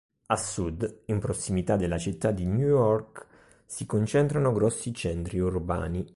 A sud, in prossimità della città di New York, si concentrano grossi centri urbani.